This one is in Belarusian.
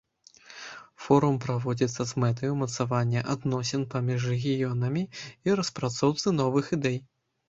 Форум праводзіцца з мэтай умацавання адносін паміж рэгіёнамі і распрацоўцы новых ідэй.